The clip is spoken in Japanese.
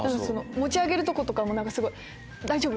持ち上げるとことかも「大丈夫！